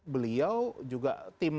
beliau juga tim